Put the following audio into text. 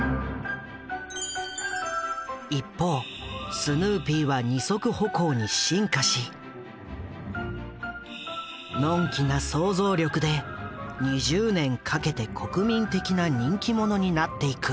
一方スヌーピーは２足歩行に進化しのんきな想像力で２０年かけて国民的な人気者になっていく。